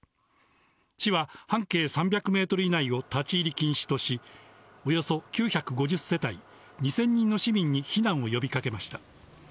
市は半径３００メートル以内を立ち入り禁止とし、およそ９５０世帯２０００人の市民に避難を呼びかけました。